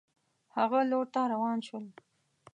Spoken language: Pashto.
هغه لور ته روان شول.